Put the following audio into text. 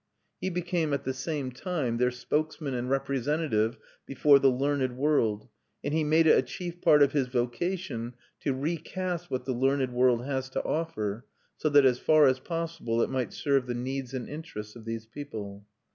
He became, at the same time, their spokesman and representative before the learned world; and he made it a chief part of his vocation to recast what the learned world has to offer, so that as far as possible it might serve the needs and interests of these people.